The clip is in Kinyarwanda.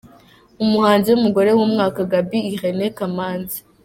Umuhanzi w’umugore w’umwaka: Gaby Irene Kamanzi .